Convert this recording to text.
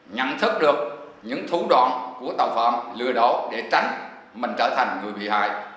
nhận thức được những thủ đoạn của tàu phạm lừa đảo để tránh mình trở thành người bị hại